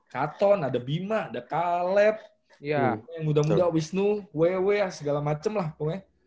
katon ada bima ada kaleb yang muda muda wisnu ww segala macem lah pokoknya